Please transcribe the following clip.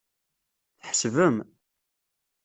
Tḥesbem.